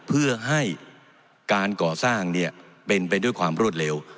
เพื่อให้การก่อสร้างเป็นไปด้วยความรวดเร็ว